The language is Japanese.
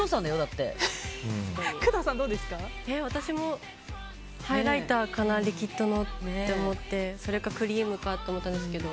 私もリキッドのハイライターかなって思ってそれかクリームかと思ったんですけど。